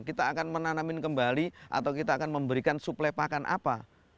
kita akan menanamin kembali atau kita akan memberikan suplai pakan apa